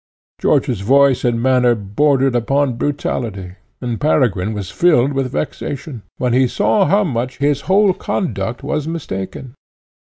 George's voice and manner bordered upon brutality; and Peregrine was filled with vexation, when he saw how much his whole conduct was mistaken.